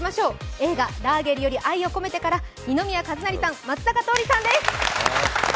映画「ラーゲリより愛を込めて」から二宮和也さん、松坂桃李さんです。